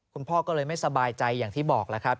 คุณพ่อก็เลยไม่สบายใจอย่างที่บอกแล้วครับ